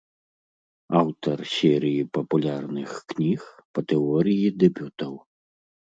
Аўтар серыі папулярных кніг па тэорыі дэбютаў.